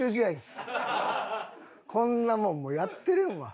こんなもんもうやってられんわ。